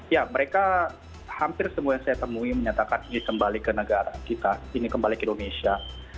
ya mereka hampir semua yang saya temui menyatakan ini kembali ke negara kita ini kembali ke indonesia